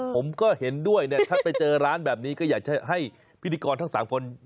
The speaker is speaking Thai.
ผมก็เห็นด้วยเนี่ยถ้าไปเจอร้านแบบนี้ก็อยากจะให้พิธีกรทั้ง๓คน